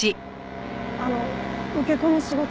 あの受け子の仕事は。